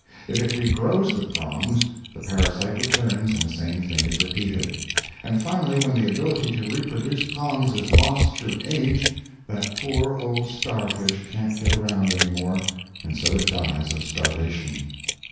If it re grows the prongs, the parasite returns and the same thing is repeated. And finally, when the ability to reproduce prongs is lost through age, that poor old star fish can't get around any more, and so it dies of starvation.